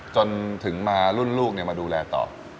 จนถึงมารุ่นลูกมาดูแลต่อ